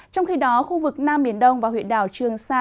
trong khi đó khu vực nam biển đông và huyện đảo trường sa